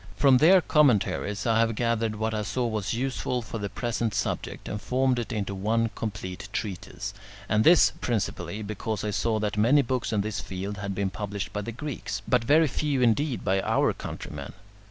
From their commentaries I have gathered what I saw was useful for the present subject, and formed it into one complete treatise, and this principally, because I saw that many books in this field had been published by the Greeks, but very few indeed by our countrymen.